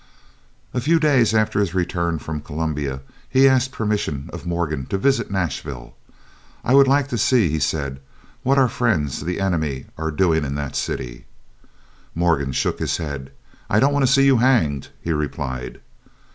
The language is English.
A few days after his return from Columbia, he asked the permission of Morgan to visit Nashville. "I would like to see," said he, "what our friends, the enemy, are doing in that city." Morgan shook his head. "I don't want to see you hanged," he replied.